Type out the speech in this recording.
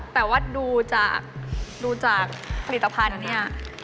แต่ว่าดูจากดูจากผลิตภัณฑ์เนี่ย